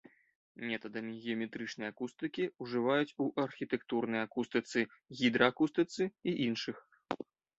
Метадамі геаметрычнай акустыкі ўжываюць у архітэктурнай акустыцы, гідраакустыцы і іншых.